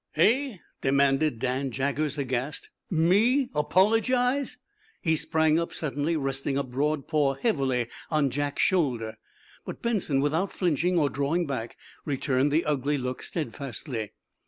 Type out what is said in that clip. "Hey?" demanded Dan Jaggers, aghast. "Me apologize?" He sprang up suddenly, resting a broad paw heavily on Jack's shoulder. But Benson, without flinching, or drawing back, returned the ugly look steadfastly.